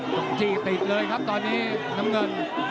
จี้ติดเลยครับตอนนี้น้ำเงิน